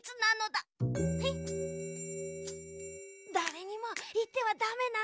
だれにもいってはダメなのだ。